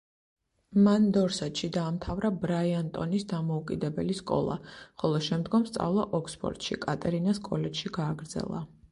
მან დორსეტში, დაამთავრა ბრაიანტონის დამოუკიდებელი სკოლა, ხოლო შემდგომ სწავლა ოქსფორდში, კატერინას კოლეჯში გააგრძელა.